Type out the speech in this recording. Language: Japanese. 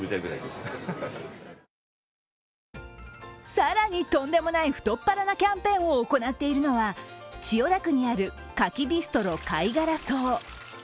更に、とんでもない太っ腹なキャンペーンを行っているのは千代田区にある牡蠣ビストロ貝殻荘。